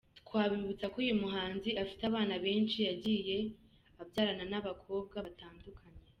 Twabibutsa ko uyu muhanzi afite abana benshi yagiye abyarana n’abakobwa batandukanye.